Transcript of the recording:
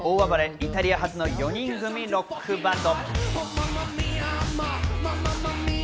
イタリア発の４人組ロックバンド。